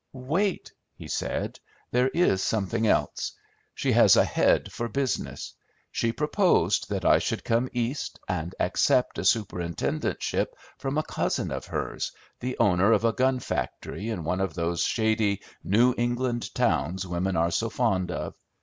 "Wait," he said. "There is something else. She has a head for business; she proposed that I should come East, and accept a superintendentship from a cousin of hers, the owner of a gun factory in one of those shady New England towns women are so fond of.